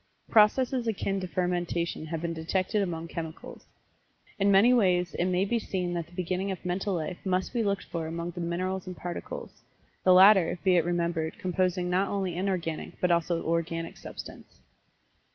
Processes akin to fermentation have been detected among chemicals. In many ways it may be seen that the beginning of Mental Life must be looked for among the Minerals and Particles the latter, be it remembered, composing not only inorganic, but also Organic Substance.